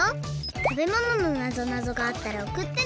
たべもののなぞなぞがあったらおくってね！